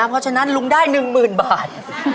เพราะฉะนั้นลุงได้หนึ่งหมื่นบาท